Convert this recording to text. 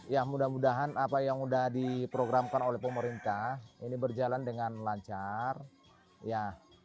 ya mudah mudahan apa yang sudah diprogramkan oleh pemerintah ini berjalan dengan lancar ya